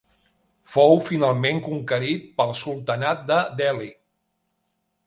Fou finalment conquerit pel Sultanat de Delhi.